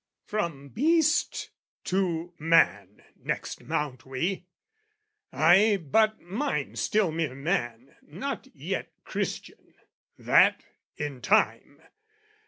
From beast to man next mount we, ay, but, mind, Still mere man, not yet Christian, that, in time!